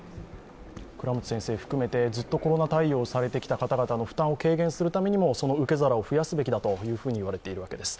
倉持先生含めコロナ対応をされてきた方の負担を軽減するためにも、受け皿を増やすべきだと言われているわけです。